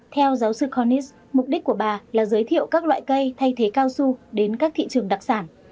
theo giáo sư connice mục đích của bà là giới thiệu các loại cây thay thế cao su đến các thị trường đặc sản